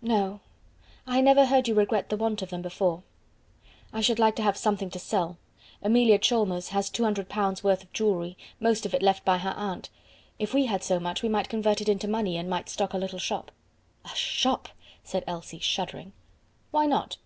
"No; I never heard you regret the want of them before." "I should like to have something to sell. Emilia Chalmers has 200 pounds worth of jewellery, most of it left by her aunt. If we had so much, we might convert it into money, and might stock a little shop." "A shop!" said Elsie, shuddering. "Why not?